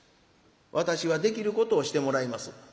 私はできることをしてもらいます。